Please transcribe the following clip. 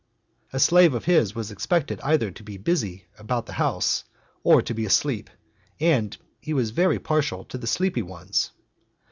A slave of his was expected either to be busy about the house, or to be asleep, and he was 'very partial to the sleepy ones.